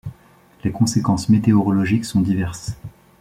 Les conséquences météorologiques sont diverses.